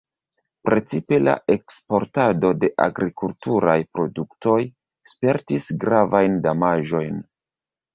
Precipe la eksportado de agrikulturaj produktoj spertis gravajn damaĝojn.